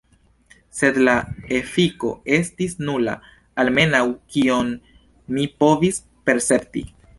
Sed la efiko estis nula, almenau kiom mi povis percepti.